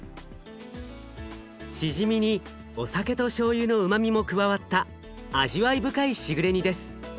しじみにお酒としょうゆのうまみも加わった味わい深いしぐれ煮です。